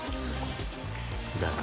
だが